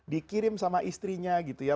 dikirim sama istrinya gitu ya